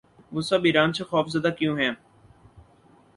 وہ سب ایران سے خوف زدہ کیوں ہیں؟